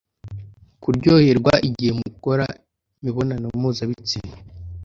kuryoherwa igihe mukora imibonano mpuzabitsina